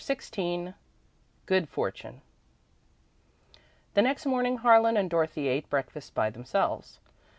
XVI Good Fortune The next morning, Harlan and Dorothy ate breakfast by themselves.